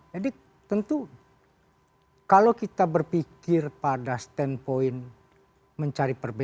jadi tentu kalau kita berpikir pada standpoint mencari pertanyaan